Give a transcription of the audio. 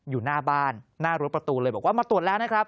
อยู่หน้าบ้านหน้ารั้วประตูเลยบอกว่ามาตรวจแล้วนะครับ